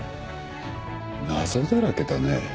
謎だらけだね。